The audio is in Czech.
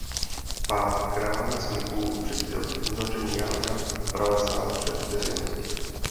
Pád Krále smrků přispěl k uzavření jádra pralesa před veřejností.